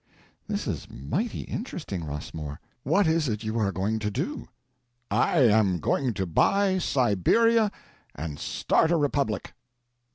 "This is mighty interesting, Rossmore. What is it you are going to do?" "I am going to buy Siberia and start a republic."